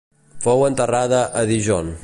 Fou enterrada a Dijon.